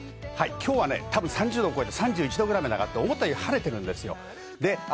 きょうはね、たぶん３０度を超えて、３１度ぐらいまであがって思ったり晴れてるんですよ。